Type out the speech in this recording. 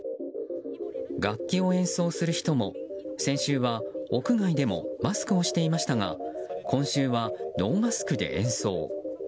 楽器を演奏する人も先週は屋外でもマスクをしていましたが今週はノーマスクで演奏。